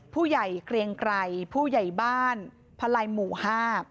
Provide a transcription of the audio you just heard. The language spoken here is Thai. ผู้ใหญ่เกรียงไกรผู้ใหญ่บ้านพลัยหมู่ห้า